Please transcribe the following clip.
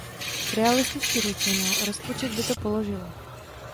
Realisticky řečeno, rozpočet by to položilo.